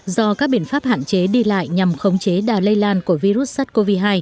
do các biện pháp hạn chế đi lại nhằm khống chế đà lây lan của virus sars cov hai